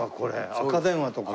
赤電話とか。